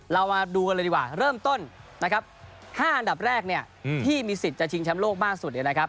เรามาดูกันเลยดีกว่าเริ่มต้นนะครับ๕อันดับแรกเนี่ยที่มีสิทธิ์จะชิงแชมป์โลกมากสุดเนี่ยนะครับ